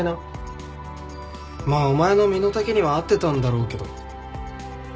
まあお前の身の丈には合ってたんだろうけど。